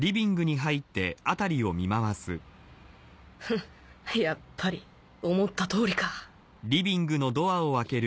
フッやっぱり思った通りか